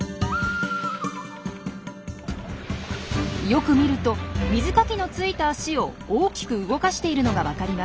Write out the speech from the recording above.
よく見ると水かきのついた足を大きく動かしているのがわかります。